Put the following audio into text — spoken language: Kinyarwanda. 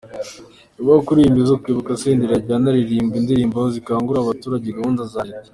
Nyuma yo kuririmba izo kwibuka, Senderi yagiye anaririmba indirimbo zikangurira abaturage gahunda za Leta.